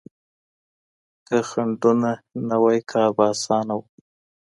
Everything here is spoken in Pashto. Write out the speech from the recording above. که خنډونه نه واي کار به اسانه و.